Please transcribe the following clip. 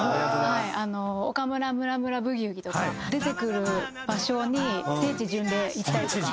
『岡村ムラムラブギウギ』とか出てくる場所に聖地巡礼行ったりとか。